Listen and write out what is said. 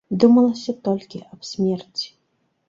Думалася толькі аб смерці.